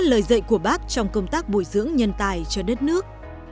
lời dạy của bác trong công tác bồi dưỡng nhân tài cho đất nước